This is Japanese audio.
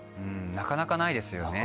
なかなかないよね